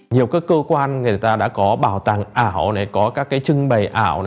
nhiều các cơ quan người ta đã có bảo tàng ảo có các trưng bày ảo